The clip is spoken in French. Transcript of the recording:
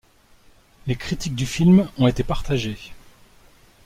Les critiques du film ont été partagées.